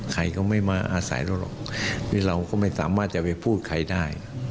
ใครก็ไม่มาอาศัยเราหรอกนี่เราก็ไม่สามารถจะไปพูดใครได้